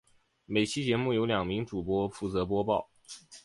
每期节目由两名主播负责播报。